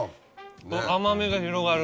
甘みが広がる。